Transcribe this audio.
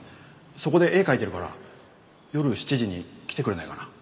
そこで絵描いてるから夜７時に来てくれないかな？